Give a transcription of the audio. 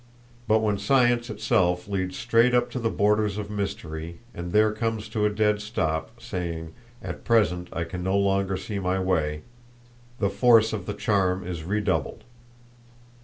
But when science itself leads straight up to the borders of mystery and there comes to a dead stop, saying, "At present I can no longer see my way," the force of the charm is redoubled.